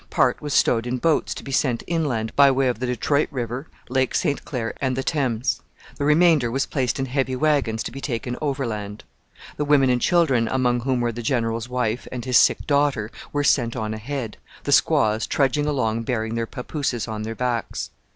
Part was stowed in boats to be sent inland by way of the Detroit river, Lake St Clair, and the Thames; the remainder was placed in heavy wagons to be taken overland. The women and children, among whom were the general's wife and his sick daughter, were sent on ahead, the squaws trudging along bearing their papooses on their backs.